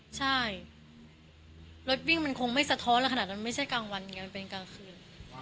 ใช่รถวิ่งมันคงไม่สะท้อนแล้วขนาดนั้นไม่ใช่กลางวันไงมันเป็นกลางคืน